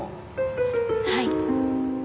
はい。